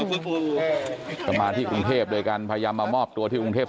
ก็มาที่กรุงเทพโดยกันพยายามมามอบตัวที่กรุงเทพ